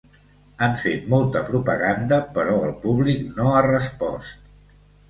Han fet molta propaganda, però el públic no ha respost.